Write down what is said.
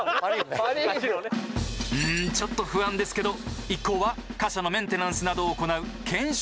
うんちょっと不安ですけど一行は貨車のメンテナンスなどを行う検修庫へ。